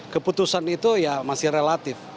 keputusan itu ya masih relatif